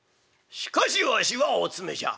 しかしわしはお詰めじゃ。